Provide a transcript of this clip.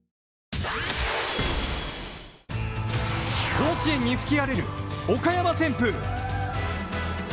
甲子園に吹き荒れるおかやま旋風。